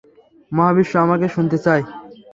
মহাবিশ্ব আমাকে শুনতে চায়।